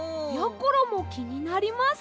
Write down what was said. ころもきになります。